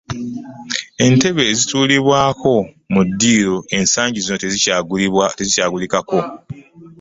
Entebe ezituulwako mu ddiiro ensangi zino tezikyagulikako!